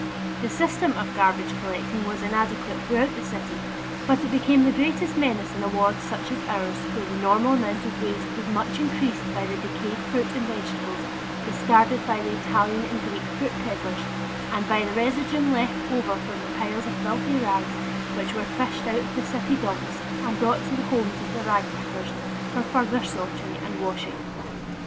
The system of garbage collecting was inadequate throughout the city but it became the greatest menace in a ward such as ours, where the normal amount of waste was much increased by the decayed fruit and vegetables discarded by the Italian and Greek fruit peddlers, and by the residuum left over from the piles of filthy rags which were fished out of the city dumps and brought to the homes of the rag pickers for further sorting and washing.